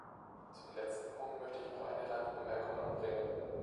Zum letzten Punkt möchte ich noch eine Randbemerkung anbringen.